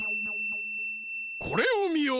これをみよ！